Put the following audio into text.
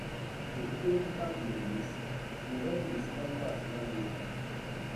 U tôp bañ me mis; ube mis ma mbas malép.